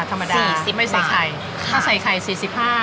ธรรมดาสี่สิบไม่ใส่ไข่ค่ะถ้าใส่ไข่สี่สิบห้า